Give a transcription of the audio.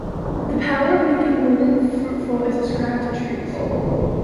The power of making women fruitful is ascribed to trees.